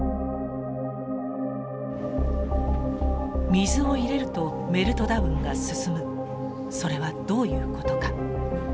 水を入れるとメルトダウンが進むそれはどういうことか。